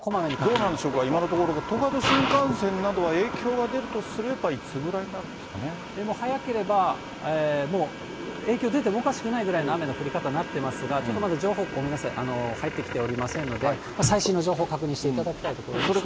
どうなんでしょうか、今のところ、東海道新幹線などは影響が出るとすればいつぐらいになるんですか早ければ、もう影響出てもおかしくないぐらいの雨の降り方になってますが、ちょっとまだ情報、ごめんなさい、入ってきておりませんので、最新の情報確認していただきたいところですね。